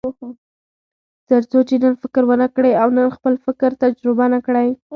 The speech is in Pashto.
تر څو چې نن فکر ونه کړئ او نن خپل فکر تجربه نه کړئ.